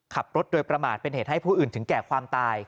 ขับรถโดยประมาทเป็นเหตุให้ผู้อื่นถึงแก่ความตาย